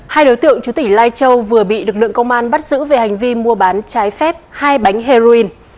hai đối tượng chủ tỉ lai châu vừa bị lực lượng công an bắt giữ về hành vi mua bán cháy phép hai bánh heroin